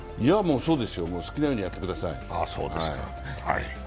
そうですよ、好きなようにやってください。